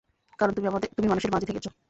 কারণ তুমি মানুষের মাঝে থেকেছ।